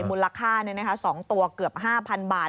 มูลค่านี่นะคะ๒ตัวเกือบ๕๐๐๐บาท